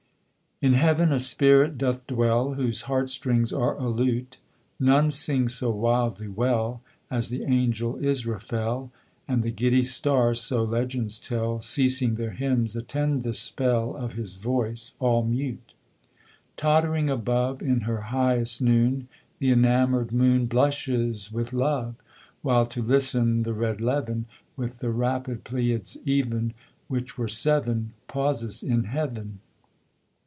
_ In Heaven a spirit doth dwell "Whose heart strings are a lute;" None sing so wildly well As the angel Israfel, And the giddy Stars (so legends tell) Ceasing their hymns, attend the spell Of his voice, all mute. Tottering above In her highest noon, The enamoured moon Blushes with love, While, to listen, the red levin (With the rapid Pleiads, even, Which were seven,) Pauses in Heaven.